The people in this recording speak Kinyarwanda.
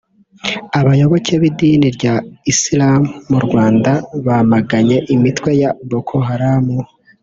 Abayoboke b’idini rya Isilamu mu Rwanda bamaganye imitwe ya Boko Haram